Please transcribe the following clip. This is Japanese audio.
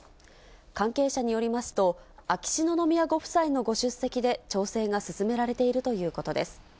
関係者によりますと、秋篠宮ご夫妻のご出席で調整が進められているということです。